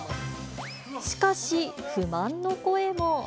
しかし、不満の声も。